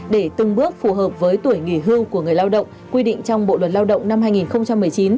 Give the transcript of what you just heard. để từng bước phù hợp với tuổi nghỉ hưu của người lao động quy định trong bộ luật lao động năm hai nghìn một mươi chín